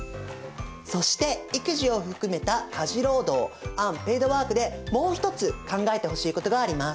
そして育児を含めた家事労働アンペイドワークでもう一つ考えてほしいことがあります。